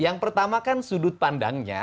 yang pertama kan sudut pandangnya